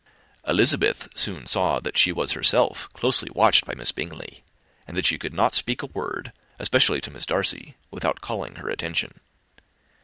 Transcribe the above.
Elizabeth soon saw that she was herself closely watched by Miss Bingley, and that she could not speak a word, especially to Miss Darcy, without calling her attention.